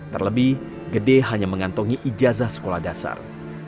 terlebih gede hanya mengantongi ijazah sekolah dasar